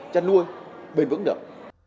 chăn nuôi bền vững được